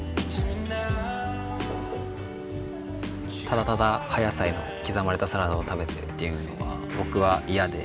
ただただ葉野菜の刻まれたサラダを食べてっていうのは僕は嫌で。